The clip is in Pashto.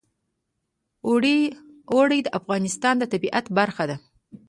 اوړي د افغانستان د طبیعت برخه ده.